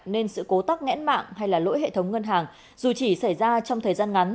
nên sự cố tắc nghẽn mạng hay lỗi hệ thống ngân hàng dù chỉ xảy ra trong thời gian ngắn